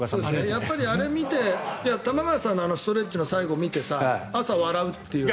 やっぱりあれを見て玉川さんのストレッチの最後を見て朝、笑うっていう。